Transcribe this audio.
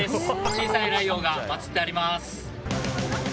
小さいライオーが祭ってあります。